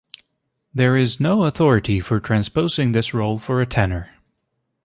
There is no authority for transposing this role for a tenor.